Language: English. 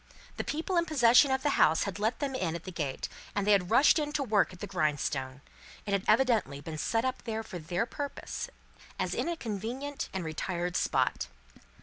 The people in possession of the house had let them in at the gate, and they had rushed in to work at the grindstone; it had evidently been set up there for their purpose, as in a convenient and retired spot.